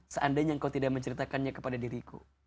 seandainya engkau tidak menceritakannya kepada diriku